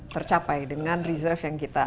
tercapai dengan reserve yang kita